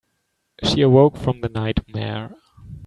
She awoke from the nightmare.